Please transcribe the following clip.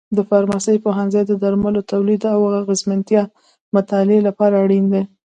د فارمسي پوهنځی د درملو تولید او اغیزمنتیا مطالعې لپاره اړین دی.